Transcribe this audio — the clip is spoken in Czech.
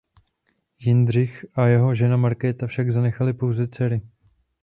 Jindřich a jeho žena Markéta však zanechali pouze dcery.